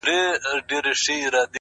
عاجزي د احترام دروازې پرانیزي،